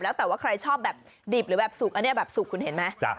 แล้วแต่ว่าใครชอบแบบดิบหรือแบบสุกอันนี้แบบสุกคุณเห็นไหม